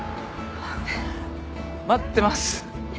待ってます。